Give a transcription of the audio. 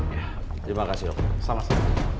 terima kasih dok sama sama